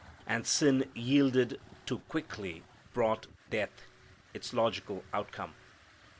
And sin yielded to quickly brought death, its logical outcome.